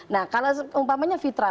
nah kalau umpamanya fitra